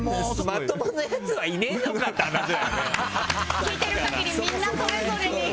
まともなやつはいねえのかって話だよな。